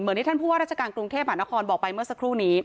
ที่ท่านผู้ว่าราชการกรุงเทพหานครบอกไปเมื่อสักครู่นี้